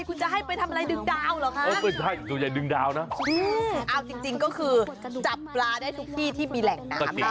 กูจะให้ไปทำอะไรดึงดาวเหรอคะจริงก็คือจับปลาได้ทุกที่ที่มีแหล่งน้ำ